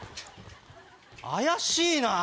怪しいな！